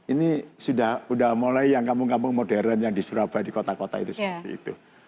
ini sudah mulai yang kampung kampung modern yang di surabaya di kota kota itu seperti itu